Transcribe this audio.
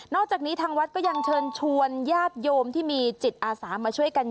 อกจากนี้ทางวัดก็ยังเชิญชวนญาติโยมที่มีจิตอาสามาช่วยกัน